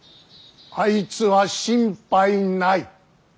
あいつは心配ない。